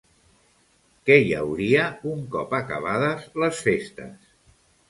Què hi hauria un cop acabades les festes?